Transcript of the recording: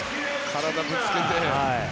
体、ぶつけて。